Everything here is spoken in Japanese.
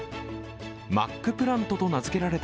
マックプラントと名付けられた